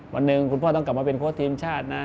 วันหนึ่งคุณพ่อต้องกลับมาเป็นโค้ชทีมชาตินะ